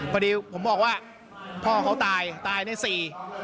พอดีผมบอกว่าพ่อเขาตายตายในสี่